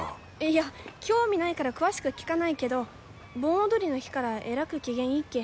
いや興味ないから詳しく聞かないけど盆踊りの日からえらく機嫌いいっけ。